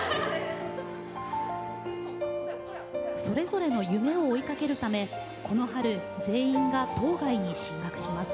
それぞれの夢を追いかけるためこの春全員が島外に進学します。